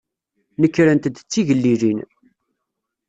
Nekrent-d d tigellilin.